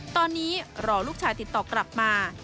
ตอนนี้รอลูกชายติดต่อกลับมา